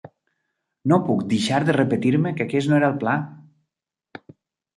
No puc deixar de repetir-me que aquest no era el pla.